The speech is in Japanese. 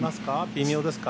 微妙ですか？